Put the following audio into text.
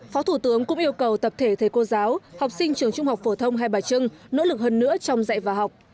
phó thủ tướng cũng yêu cầu tập thể thầy cô giáo học sinh trường trung học phổ thông hai bà trưng nỗ lực hơn nữa trong dạy và học